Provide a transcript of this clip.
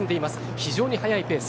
非常に速いペース。